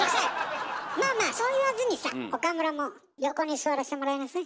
まあまあそう言わずにさ岡村も横に座らせてもらいなさい。